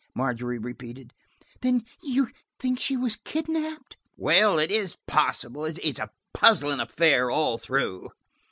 Margery repeated. "Then you think she was kidnapped?" "Well, it is possible. It's a puzzling affair all through.